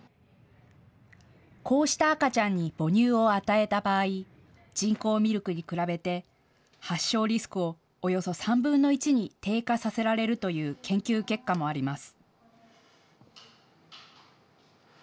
こうした赤ちゃんに母乳を与えた場合、人工ミルクに比べて発症リスクをおよそ３分の１に低下させられるという研究結果もあります。